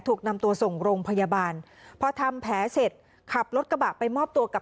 ถูกนำตัวส่งโรงพยาบาลพอทำแผลเสร็จขับรถกระบะไปมอบตัวกับ